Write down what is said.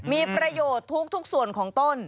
มีประโยชน์ทุกส่วนของต้น